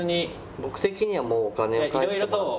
僕的にはもうお金を返してもらって。